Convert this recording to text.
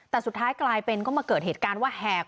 แต่สุดท้ายกลายเป็นก็มาเกิดเหตุการณ์ว่าแหก